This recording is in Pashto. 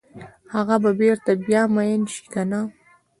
هغه به بیرته بیا میین شي کنه؟